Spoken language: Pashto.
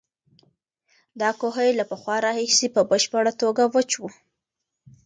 دا کوهی له پخوا راهیسې په بشپړه توګه وچ و.